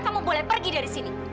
kamu boleh pergi dari sini